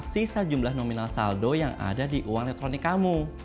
sisa jumlah nominal saldo yang ada di uang elektronik kamu